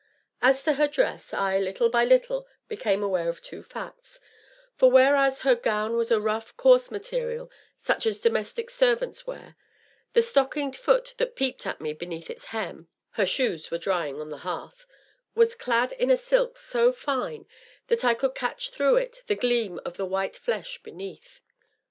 As to her dress, I, little by little, became aware of two facts, for whereas her gown was of a rough, coarse material such as domestic servants wear, the stockinged foot that peeped at me beneath its hem (her shoes were drying on the hearth) was clad in a silk so fine that I could catch, through it, the gleam of the white flesh beneath.